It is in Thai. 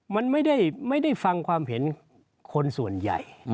มันไม่ได้ฟังความเห็นคนส่วนใหญ่